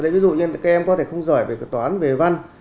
ví dụ như các em có thể không giỏi về cái toán về văn